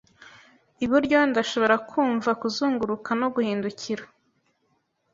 Iburyo ndashobora kumva kuzunguruka no guhindukira